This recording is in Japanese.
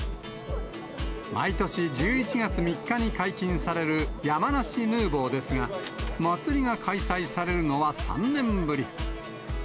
毎年１１月３日に解禁される山梨ヌーボーですが、まつりが開催されるのは３年ぶり。